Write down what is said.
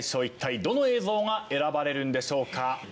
いったいどの映像が選ばれるんでしょうか？